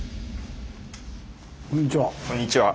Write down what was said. こんにちは。